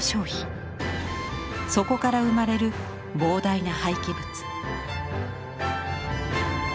そこから生まれる膨大な廃棄物。